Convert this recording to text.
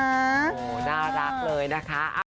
โอ้โหน่ารักเลยนะคะ